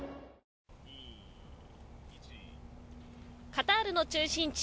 カタールの中心地